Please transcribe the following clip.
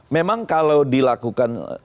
memang kalau dilakukan